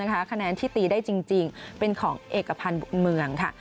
คะแนนที่ตีได้จริงเป็นของเอกพันธ์บุญเมืองค่ะ